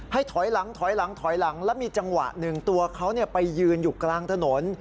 ให้ถอยหลังแล้วมีจังหวะหนึ่งตัวเขาไปยืนอยู่กลางถนน